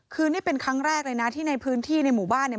คือนี่เป็นครั้งแรกเลยนะที่ในพื้นที่ในหมู่บ้านเนี่ย